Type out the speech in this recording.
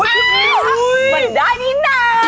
เหมือนได้นิดหนึ่ง